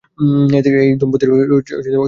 এই দম্পতির দুই পুত্র ছিল।